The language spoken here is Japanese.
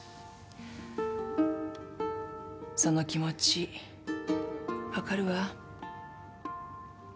その気持ち分かるわ。